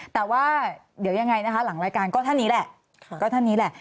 แต่ว่าเดี๋ยวยังไงนะคะหลังรายการก็ท่านนี้แหละ